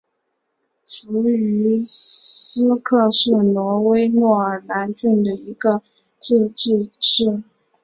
弗于斯克是挪威诺尔兰郡的一个自治市。